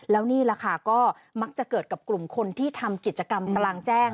แล้วนี่แหละค่ะก็มักจะเกิดกับกลุ่มคนที่ทำกิจกรรมกลางแจ้ง